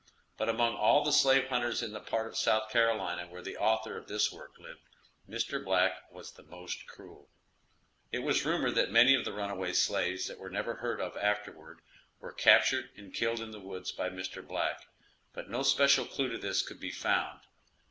But among all the slave hunters in the part of South Carolina where the author of this work lived, Mr. Black was the most cruel. It was rumored that many of the runaway slaves that were never heard of afterward, were captured and killed in the woods by Mr. Black, but no special clue to this could be found.